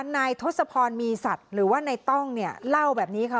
นายทศพรมีสัตว์หรือว่านายต้องเนี่ยเล่าแบบนี้ค่ะ